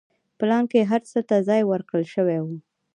پلان کې هر څه ته ځای ورکړل شوی و.